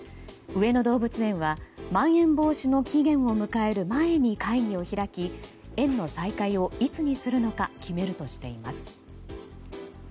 上野動物園はまん延防止の期限を迎える前に会議を開き、園の再開をいつにするのか決めるとしています。